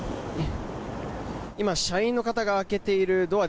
今、社員の方が開けているドア